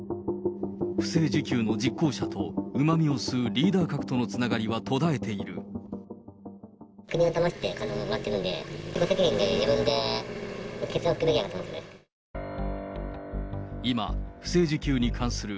不正受給の実行者と、うまみを吸うリーダー格とのつながりは途絶えている。